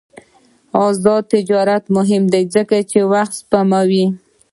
آزاد تجارت مهم دی ځکه چې وخت سپموي.